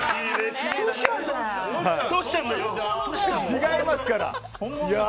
違いますから。